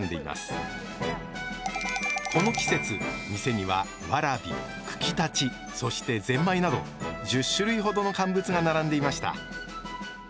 この季節店にはわらびくきたちそしてぜんまいなど１０種類ほどの乾物が並んでいました。